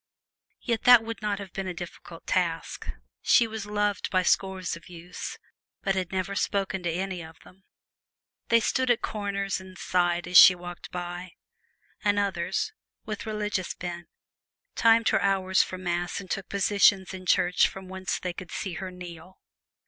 Yet that would not have been a difficult task. She was loved by a score of youths, but had never spoken to any of them. They stood at corners and sighed as she walked by; and others, with religious bent, timed her hours for mass and took positions in church from whence they could see her kneel.